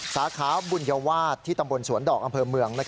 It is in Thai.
สาขาบุญวาสที่ตำบลสวนดอกอำเภอเมือง